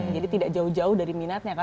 jadi tidak jauh jauh dari minatnya